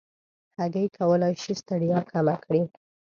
هګۍ کولی شي ستړیا کمه کړي.